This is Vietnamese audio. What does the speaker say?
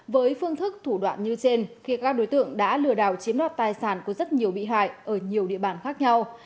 với phương thức thủ đoạn như trên khi các đối tượng đã lừa đảo chiếm đoạt tài sản của rất nhiều bị hại ở nhiều địa bàn khác nhau